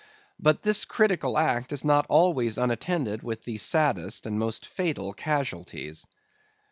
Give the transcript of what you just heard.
But this critical act is not always unattended with the saddest and most fatal casualties.